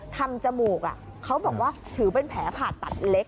จมูกเขาบอกว่าถือเป็นแผลผ่าตัดเล็ก